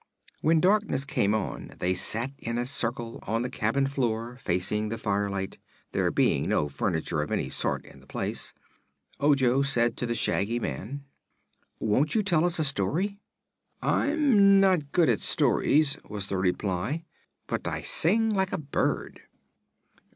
When darkness came on and they sat in a circle on the cabin floor, facing the firelight there being no furniture of any sort in the place Ojo said to the Shaggy Man: "Won't you tell us a story?" "I'm not good at stories," was the reply; "but I sing like a bird."